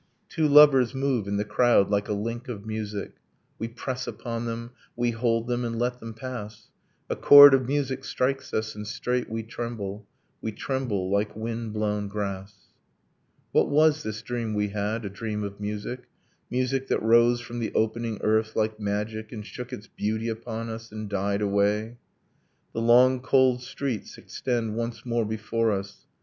Two lovers move in the crowd like a link of music, We press upon them, we hold them, and let them pass; A chord of music strikes us and straight we tremble; We tremble like wind blown grass. What was this dream we had, a dream of music, Music that rose from the opening earth like magic And shook its beauty upon us and died away? The long cold streets extend once more before us.